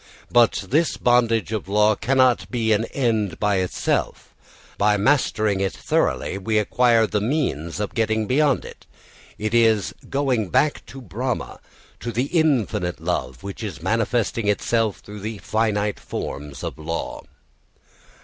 But this bondage of law cannot be an end by itself; by mastering it thoroughly we acquire the means of getting beyond it. It is going back to Brahma, to the infinite love, which is manifesting itself through the finite forms of law.